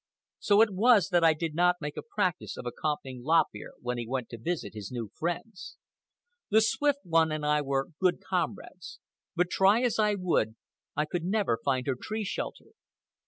So it was that I did not make a practice of accompanying Lop Ear when he went to visit his new friends. The Swift One and I were good comrades, but, try as I would, I could never find her tree shelter.